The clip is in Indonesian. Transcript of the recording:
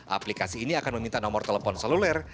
aplikasi ini akan meminta nomor telepon seluler